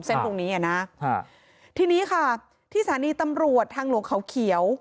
ตรงนี้อ่ะนะทีนี้ค่ะที่สถานีตำรวจทางหลวงเขาเขียว